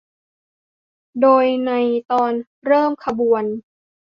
โดยในตอนเริ่มขบวน